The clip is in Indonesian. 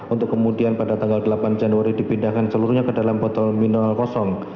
untuk kemudian pada tanggal delapan januari dipindahkan seluruhnya ke dalam botol minol kosong